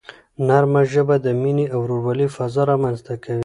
نرمه ژبه د مینې او ورورولۍ فضا رامنځته کوي.